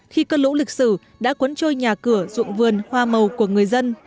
khi cơn lũ lịch sử đã cuốn trôi nhà cửa ruộng vườn hoa màu của người dân